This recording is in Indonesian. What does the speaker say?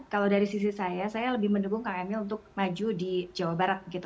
kalau dari sisi saya saya lebih mendukung kang emil untuk maju di jawa barat gitu